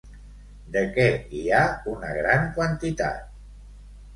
De què hi ha una gran quantitat?